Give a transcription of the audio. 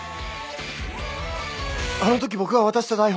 あのとき僕が渡した台本。